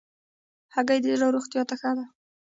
هګۍ د زړه روغتیا ته ښه ده.